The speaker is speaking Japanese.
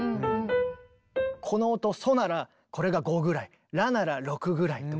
この音ソならこれが５ぐらいラなら６ぐらいとか。